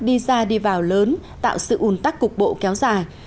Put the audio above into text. đi ra đi vào lớn tạo sự ủn tắc cục bộ kéo dài